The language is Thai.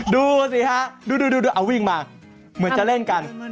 ดูสิฮะดูเอาวิ่งมาเหมือนจะเล่นกัน